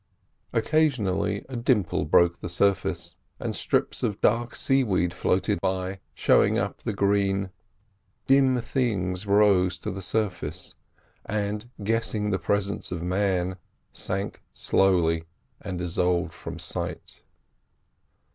Occasionally a dimple broke the surface, and strips of dark sea weed floated by, showing up the green; dim things rose to the surface, and, guessing the presence of man, sank slowly and dissolved from sight.